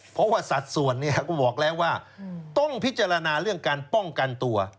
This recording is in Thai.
เพราะว่าสัดส่วนเนี่ยก็บอกแล้วว่าต้องพิจารณาเรื่องการป้องกันตัว